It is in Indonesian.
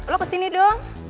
lo kesini dong